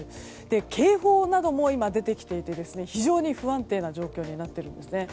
今、警報なども出てきていて非常に不安定な状況になっているんですね。